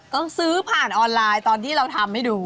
ต้องซื้อผ่านออนไลน์ตอนที่เราทำให้ดู